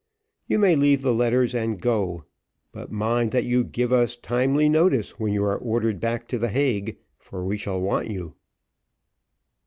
You may leave the letters and go. But mind that you give us timely notice when you are ordered back to the Hague, for we shall want you."